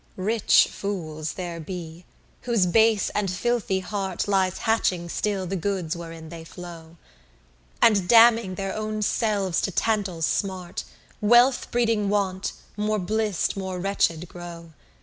24 Rich fools there be, whose base and filthy heart Lies hatching still the goods wherein they flow: And damning their own selves to Tantal's smart, Wealth breeding want, more blist more wretched grow.